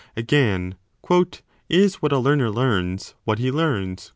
Again, Is what a learner learns what he learns